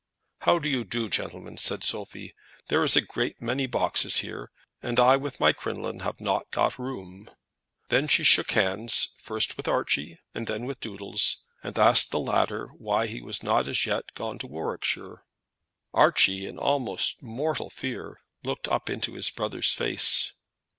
"How do you do, gentlemen?" said Sophie. "There is a great many boxes here, and I with my crinoline have not got room." Then she shook hands, first with Archie, and then with Doodles; and asked the latter why he was not as yet gone to Warwickshire. Archie, in almost mortal fear, looked up into his brother's face.